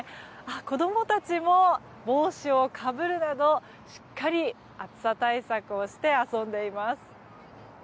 子供たちも帽子をかぶるなどしっかり暑さ対策をして遊んでいます。